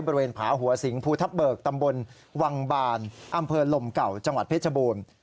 บริเวณผาหัวสิงภูทับเบิกตำบลวังบานอำเภอลมเก่าจังหวัดเพชรบูรณ์